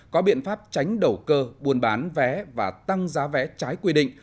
có biện pháp tránh đầu cơ buôn bán vé và tăng giá vé trái quy định